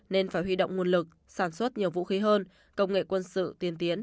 nên phải huy động nguồn lực sản xuất nhiều vũ khí hơn công nghệ quân sự tiên tiến